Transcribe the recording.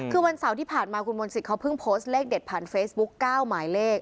คือวันเสาร์ที่ผ่านมาคุณมนตรีเขาเพิ่งโพสต์เลขเด็ดผ่านเฟซบุ๊ก๙หมายเลข